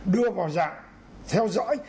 đưa vào dạng theo dõi